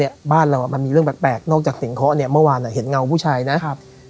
ไปบอกแม่ว่าเนี่ยบ้านเรามันมีเรื่องแปลกนอกจากสิ่งเค้าเนี่ยเมื่อวานเห็นเงาผู้ชายนะ